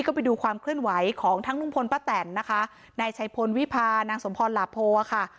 ก็ไปดูความเคลื่อนไหวของทั้งลุงพลป้าแตนนะคะนายชัยพลวิพานางสมพรหลาโพค่ะ